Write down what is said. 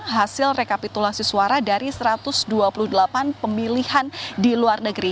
hasil rekapitulasi suara dari satu ratus dua puluh delapan pemilihan di luar negeri